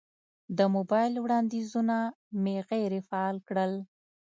د موبایل وړاندیزونه مې غیر فعال کړل.